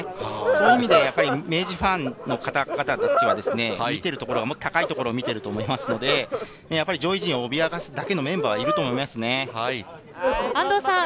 そういう意味で明治ファンの方々は見ているところが高いところを見ていると思いますので、上位陣を脅かすだけのメンバーがいると思います。